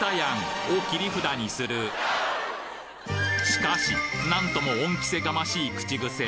しかしなんとも恩着せがましい口ぐせ。